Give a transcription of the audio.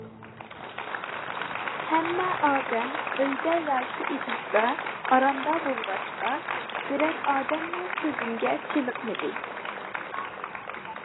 ھەممە ئادەم ئۆيدە ياكى ئېتىزدا ئارامدا بولغاچقا بىرەر ئادەممۇ كۆزۈمگە چېلىقمىدى.